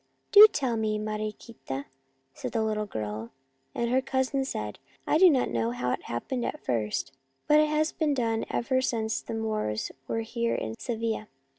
" Do tell me, Mariquita," said the little girl, and her cousin said, " I do not know how it happened at first, but it has been done ever since the Moors were here in Sevilla.